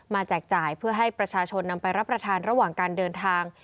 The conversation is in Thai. แจกจ่ายเพื่อให้ประชาชนนำไปรับประทานระหว่างการเดินทาง